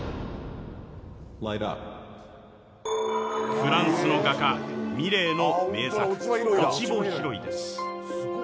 フランスの画家、ミレーの名作「落ち穂拾い」です。